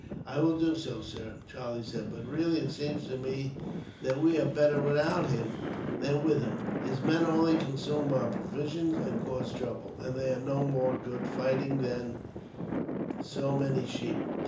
"I will do so, sir," Charlie said; "but really, it seems to me that we are better without him than with him. His men only consume our provisions, and cause trouble, and they are no more good fighting than so many sheep."